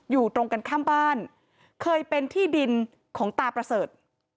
อยู่ตรงกันข้ามบ้านเคยเป็นที่ดินของตาประเสริฐ